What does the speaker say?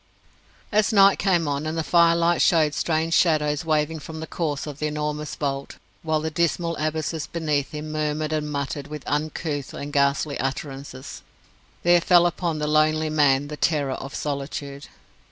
As night came on, and the firelight showed strange shadows waving from the corners of the enormous vault, while the dismal abysses beneath him murmured and muttered with uncouth and ghastly utterance, there fell upon the lonely man the terror of Solitude.